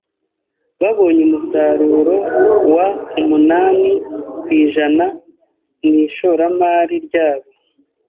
Babonye umusaruro wa umunani ku ijana mu ishoramari ryabo.